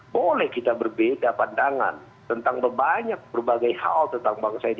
boleh kita berbeda pandangan tentang banyak berbagai hal tentang bangsa ini